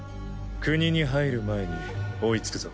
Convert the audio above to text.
国に入る前に追いつくぞ。